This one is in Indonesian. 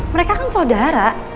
mereka kan saudara